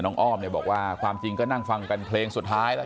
อ้อมเนี่ยบอกว่าความจริงก็นั่งฟังกันเพลงสุดท้ายแล้ว